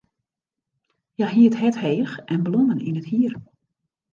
Hja hie it hert heech en blommen yn it hier.